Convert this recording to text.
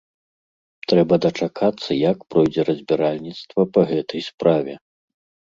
Трэба дачакацца, як пройдзе разбіральніцтва па гэтай справе.